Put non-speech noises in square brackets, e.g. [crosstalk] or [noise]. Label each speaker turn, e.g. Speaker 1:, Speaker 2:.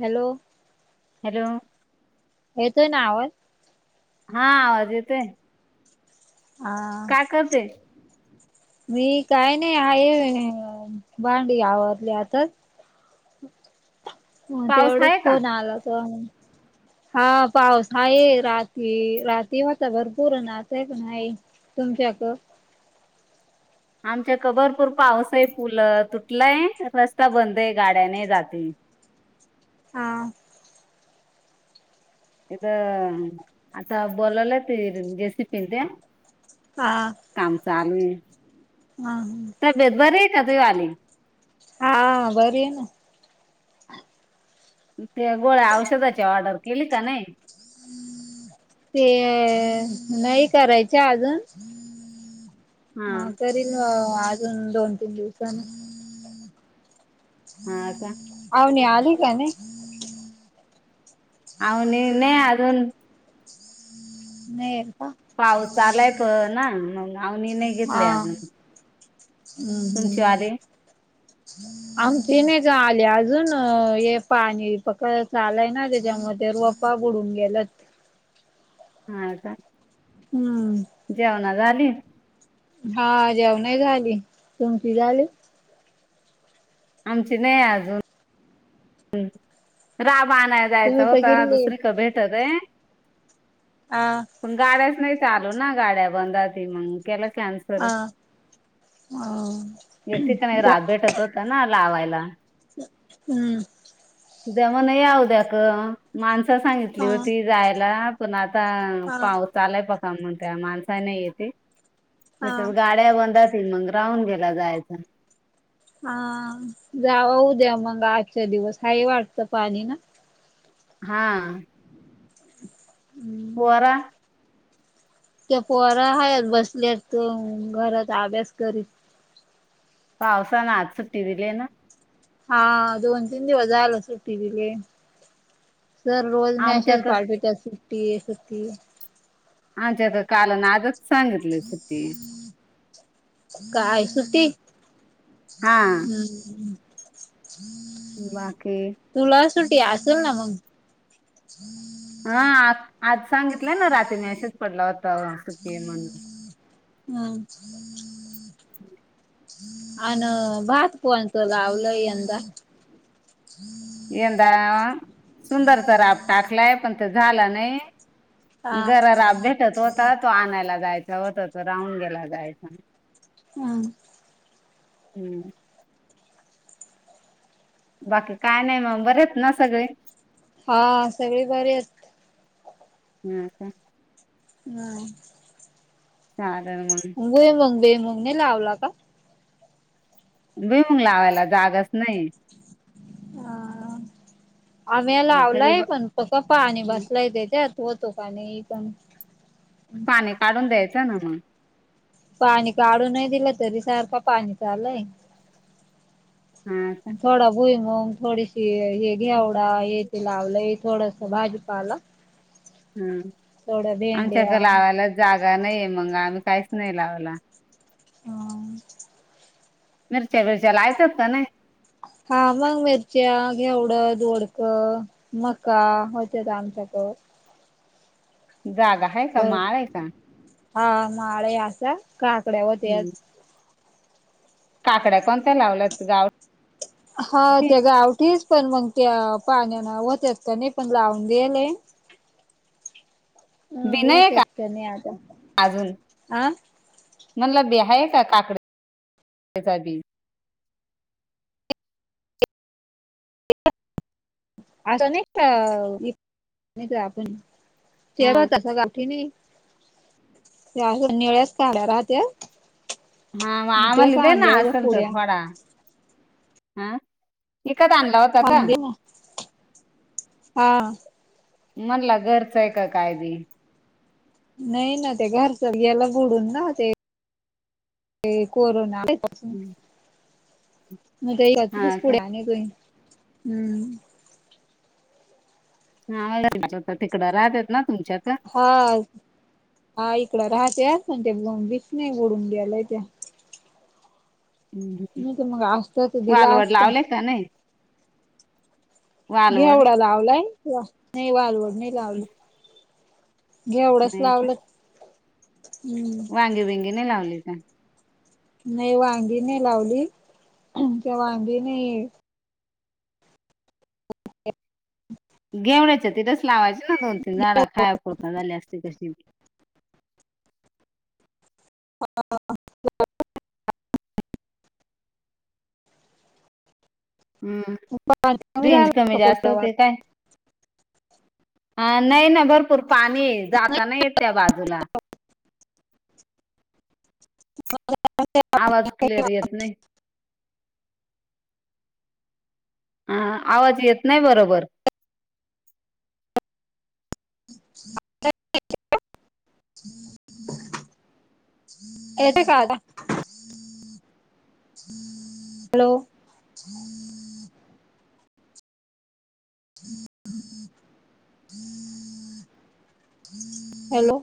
Speaker 1: Hello.
Speaker 2: Hello.
Speaker 1: येतोय ना आवाज?
Speaker 2: हा आवाज येतोय.
Speaker 1: हा
Speaker 2: काय करते?
Speaker 1: मी काय नाही आहे भांडी आवरली आताच. म
Speaker 2: पाऊस आहे
Speaker 1: तेवढ्यात
Speaker 2: का
Speaker 1: फोन आला [unintelligible] हा पाऊस आहे रात रात्री होता भरपूर अन आता पण आहे. तुमच्याक
Speaker 2: आमच्या इकड भरपूर पाऊस आहे पुल तुटलाय रस्ता बंद आहे गाड्या नाय जात हाय.
Speaker 1: हा.
Speaker 2: इथ आता बोलवलाय ते जेसिपी [unintelligible]
Speaker 1: हा.
Speaker 2: काम चालू आहे.
Speaker 1: हा हा.
Speaker 2: तब्येत बरी का तू आली
Speaker 1: हा बरी आहे ना.
Speaker 2: ते गोळ्या औषधाची ऑर्डर केली का नाही?
Speaker 1: ते नाही करायचीय अजून हा करीन अह अजून दोन तीन दिवसानी
Speaker 2: हा का
Speaker 1: पाव्हणी आली का नाही?
Speaker 2: आहो नाय नाही अजून
Speaker 1: नाही. का
Speaker 2: पाऊसा आलाय प ना मग आम्ही नाय घेतली
Speaker 1: हा
Speaker 2: आज मग
Speaker 1: [unintelligible] आमचे नाहीचं आले अजून अं हे पाणी पक चालंय ना त्याच्यामध्ये रोप पा बुडून गेल्यात.
Speaker 2: हा का.
Speaker 1: ह्म्म्म
Speaker 2: जेवणा झाली
Speaker 1: हा जेवणं झाली तुमची झाली
Speaker 2: आमची नाही अजून राब आलाय जायच
Speaker 1: तुम्ही
Speaker 2: होता
Speaker 1: बघितली
Speaker 2: दुसरी भेटत ए
Speaker 1: अं
Speaker 2: पण गाड्याच नाही चालू ना गाड्या बंदात मग के कॅन्सल
Speaker 1: हा
Speaker 2: येथिक नाही
Speaker 1: जा
Speaker 2: राभेटत होता ना लावायला
Speaker 1: हम्म
Speaker 2: उद्या मण या उद्या क माणसं सांगितली
Speaker 1: हा
Speaker 2: होती जायला पण आता
Speaker 1: हा
Speaker 2: पाऊस आलाय बघा म्हण त्या माणसाने येते
Speaker 1: हा
Speaker 2: त्याच्यात गाडी येवांंदातील मग राहुन घेेयला जायचं.
Speaker 1: हां जावं उद्या मग आजच्या दिवस हाय वाटतं पाणी ना
Speaker 2: हां.
Speaker 1: हम्म
Speaker 2: पोरा
Speaker 1: ते पोरा हायत बसलेत त घरात अभ्यास करीत.
Speaker 2: पावसानं आज सुट्टी दिलीय ना
Speaker 1: हा दोन तीन दिवस झायल सुट्टी दिलीय. सर रोज मॅसेज
Speaker 2: आमच्याक
Speaker 1: पाठवत्यात सुट्टी सट्टि
Speaker 2: आमच्यात काल न आजच सांगितली सुट्टी.
Speaker 1: काय सुट्टी
Speaker 2: हा
Speaker 1: हम्
Speaker 2: बाकी
Speaker 1: तुला सुटी असेल ना मग
Speaker 2: हा आ आज सांगितलंय ना रात्री मॅसेज पडला होता सुट्टी हाय म्हणून.
Speaker 1: हम् अन भात कोणचं लावलं यंदा.
Speaker 2: यंदा सुंदर तर राब टाकलाय पण ते झालं नाही
Speaker 1: हा
Speaker 2: घरारा भेटत होता तो आणायला जायचा होता तो राहून गेयला जायचा.
Speaker 1: हम.
Speaker 2: हम्म. बाकी काय नाय मंग बरेयत ना सगळे.
Speaker 1: हा सगळे बरेयत.
Speaker 2: [unintelligible]
Speaker 1: बर.
Speaker 2: चालल मंग
Speaker 1: भूइ मूग बेमूग नाही लावला का.
Speaker 2: भुईमुग लावायला जागाच नाही.
Speaker 1: हां आम्ही
Speaker 2: सगळी
Speaker 1: लावलाय
Speaker 2: ब-
Speaker 1: पण पक पाणी
Speaker 2: हम्म.
Speaker 1: बसलाय त्याच्यात. होतो का नाही पण
Speaker 2: पाणी काढून द्यायचं ना मग.
Speaker 1: पाणी काढून नाय दिलं तरी सारखं पाणी चालूय.
Speaker 2: हा
Speaker 1: थोडा भुईमुग थोडीशी हे
Speaker 2: हम्म
Speaker 1: घेवडा हे ते लावलंय थोडस भाजीपाला.
Speaker 2: हम्
Speaker 1: थोड्या
Speaker 2: आमच्याक
Speaker 1: भेंड्या
Speaker 2: लावायला जागा नाहीये मग आम्ही काहीच नाही लावला.
Speaker 1: हा!
Speaker 2: मिरच्या बीरच्या लावीतात का नाय?
Speaker 1: हा मग मिरच्या, घेवड, दोडक मका होत्यात आमच्याकड.
Speaker 2: जागा आहे का
Speaker 1: पण
Speaker 2: माळ आहे का
Speaker 1: हा माळे असा काकड्या होत्यात.
Speaker 2: हम्म. काकड्या कोणत्या लावल्यात गाव
Speaker 1: हा त्या गावठीच पण मग त्या पाण्या होत्यात का नाही पण लावून द्यायालय.
Speaker 2: [inaudible]
Speaker 1: ह
Speaker 2: बी नाहीये का
Speaker 1: होत्यात नाही आता
Speaker 2: अजून?
Speaker 1: आ
Speaker 2: म्हणलं बी हाय का काकडी साठी?
Speaker 1: आस निगत
Speaker 2: हा
Speaker 1: तेरा त्या अजून निळ्या कळ्या राहत्यात.
Speaker 2: हा मंं आम्हाला
Speaker 1: तेच
Speaker 2: देे ना
Speaker 1: आणलं पाहिजे
Speaker 2: असल तर
Speaker 1: पुड्या
Speaker 2: थोडा. हा ईकत आणला ओ!
Speaker 1: थांब दे ना, हा.
Speaker 2: म्हणला घरचं आहे का काय बी?
Speaker 1: नाही ना ते घरच गेल बुडून ना ते ते कोरोना
Speaker 2: हम्म!
Speaker 1: मग ईकच
Speaker 2: हा का
Speaker 1: पुड्या अनितोय हम्म!
Speaker 2: हा तिकडं राहत्यात ना तुमच्या कड?
Speaker 1: हा हा इकड राहत्या ते बिस नाही बुडून गेले ते.
Speaker 2: हम्म.
Speaker 1: नाही तर मग असतं तर दिला
Speaker 2: वालवड
Speaker 1: असतं.
Speaker 2: लावले का नाही? वालवड
Speaker 1: घेवढा लावलाय नाही वालवड नाही लावली. घेवढंच
Speaker 2: नाही
Speaker 1: लावलंत हम्म!
Speaker 2: अंगी बीगी नाही लावली काय?
Speaker 1: नाही वांगी नाही लावली हे वांगी नाही
Speaker 2: घेवड्याचं तिथेच लावायंच ना दोन तीन झाड खायापुरत झाली असते तशी.
Speaker 1: हा!
Speaker 2: हम्म,
Speaker 1: कमी
Speaker 2: रेंज
Speaker 1: झाला
Speaker 2: कमी
Speaker 1: का
Speaker 2: जास्त
Speaker 1: फुलावर
Speaker 2: होतेय काय? अ नाही ना भरपूर पाणी आहे जाता नाय येत त्या बाजूला.
Speaker 1: [inaudible]
Speaker 2: आवाज क्लिअर येत नाही. हा आवाज येत नाही बरोबर!
Speaker 1: येतोय का आता? हॅलो! हॅलो!